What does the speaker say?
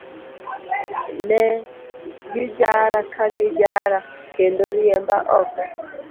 Ne gijara, ka gijara, kendo riemba oko.